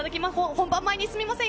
本番前にすみません。